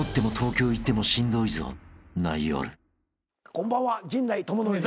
こんばんは陣内智則です。